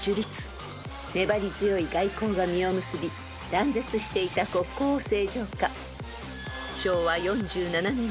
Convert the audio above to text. ［粘り強い外交が実を結び断絶していた国交を正常化］